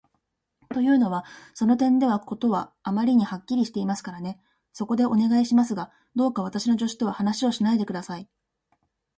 というのは、その点では事はあまりにはっきりしていますからね。そこで、お願いしますが、どうか私の助手とは話をしないで下さい。